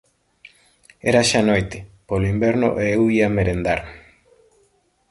Era xa noite, polo inverno e eu ía merendar.